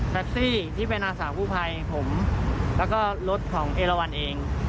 ที่เป็นอาสากู้ภัยผมแล้วก็รถของเอลวันเอง